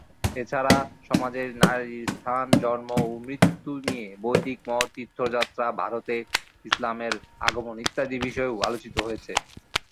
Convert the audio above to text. এছাড়া সমাজে নারীর স্থান, জন্ম ও মৃত্যু নিয়ে বৈদিক মত, তীর্থযাত্রা, ভারতে ইসলামের আগমন ইত্যাদি বিষয়ও আলোচিত হয়েছে।